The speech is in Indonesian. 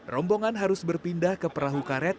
rombongan harus berpindah ke perahu karet